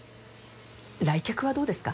来客はどうですか？